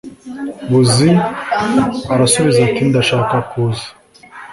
buzi arasubiza ati ndashaka kuza